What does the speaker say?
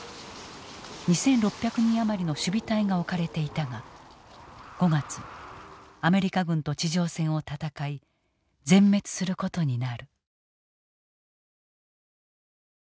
２，６００人余りの守備隊が置かれていたが５月アメリカ軍と地上戦を戦い全滅することになる。